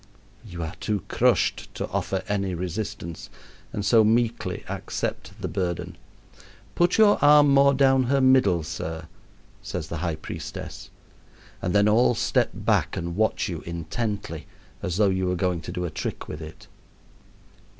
You are too crushed to offer any resistance and so meekly accept the burden. "Put your arm more down her middle, sir," says the high priestess, and then all step back and watch you intently as though you were going to do a trick with it.